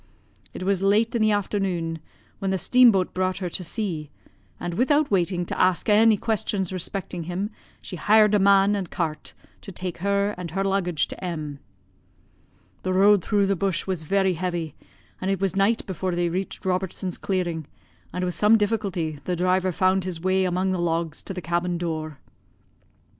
It was late in the afternoon when the steam boat brought her to C , and, without waiting to ask any questions respecting him, she hired a man and cart to take her and her luggage to M . The road through the bush was very heavy, and it was night before they reached Robertson's clearing, and with some difficulty the driver found his way among the logs to the cabin door.